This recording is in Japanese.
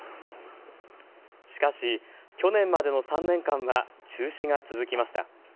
しかし去年までの３年間は中止が続きました。